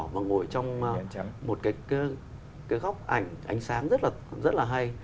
và ngồi trong một cái góc ảnh ánh sáng rất là hay